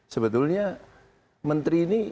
sebetulnya menteri ini